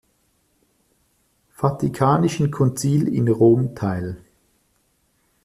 Vatikanischen Konzil in Rom teil.